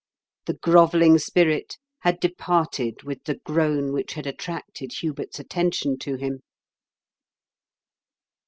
The grovelUng spirit had departed with the groan which had attracted Hubert's attention to him.